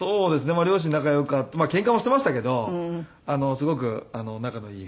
まあ両親仲良かったケンカもしていましたけどすごく仲のいい夫婦だったので。